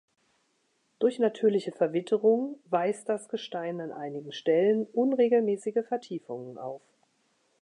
Durch natürliche Verwitterung weist das Gestein an einigen Stellen unregelmäßige Vertiefungen auf.